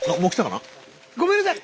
ごめんなさい！